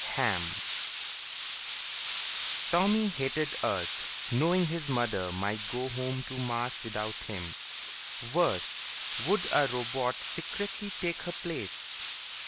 Hamm_ Tommy hated Earth, knowing his mother might go home to Mars without him. Worse, would a robot secretly take her place?...